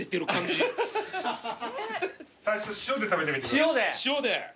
塩で。